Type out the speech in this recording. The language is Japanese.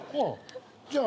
じゃあ。